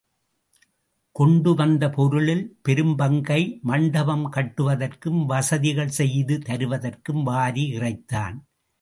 கொண்டு வந்த பொருளில் பெரும்பங்கை மண்டபம் கட்டுவதற்கும், வசதிகள் செய்து தருவதற்கும் வாரி இறைத்தான்.